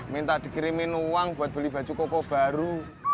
minta dikirimin uang buat beli baju kokoh baru